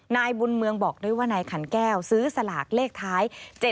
นายบุญเมืองบอกด้วยว่านายขันแก้วซื้อสลากเลขท้าย๗๗